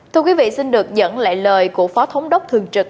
thưa quý vị xin được nhận lại lời của phó thống đốc thường trực